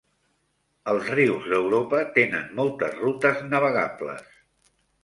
Els rius d'Europa tenen moltes rutes navegables.